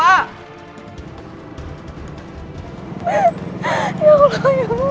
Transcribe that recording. ya allah ya allah